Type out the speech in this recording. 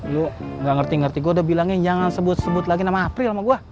lu gak ngerti ngerti gue udah bilangnya jangan sebut sebut lagi nama april sama gue